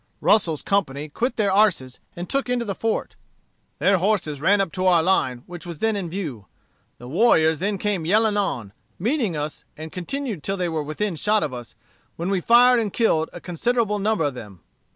Russel's company quit their arses and took into the fort. Their horses ran up to our line, which was then in view. The warriors then came yelling on, meeting us, and continued till they were within shot of us, when we fired and killed a considerable number of them.